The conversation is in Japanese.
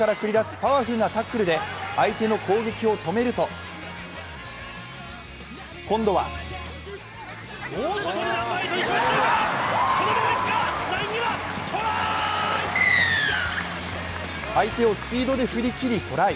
パワフルなタックルで相手の攻撃を止めると今度は相手をスピードで振り切りトライ。